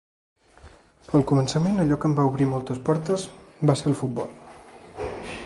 Al començament, allò que em va obrir moltes portes va ser el futbol.